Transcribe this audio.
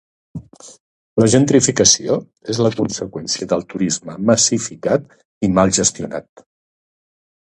La gentrificació és la conseqüència del turisme massificat i mal gestionat.